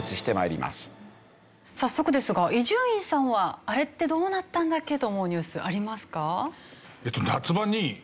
早速ですが伊集院さんはあれってどうなったんだっけ？と思うニュースありますか？